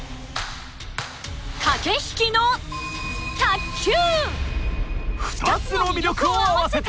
駆け引きの卓球！